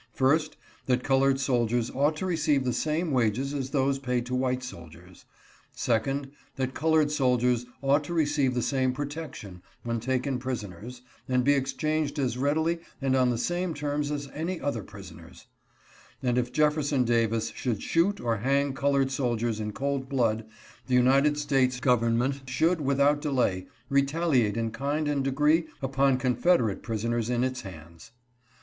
First, that colored soldiers ought to receive the same wages as those paid to white sol diers. Second, that colored soldiers ought to receive the same protection when taken prisoners, and be exchanged THEIR VIEWS DIFFERED. 423 as readily and on the same terms as any other prisoners, and if Jefferson Davis should shoot or hang colored sol diers in cold blood the United States government should, without delay, retaliate in kind and degree upon Con federate prisoners in its hands.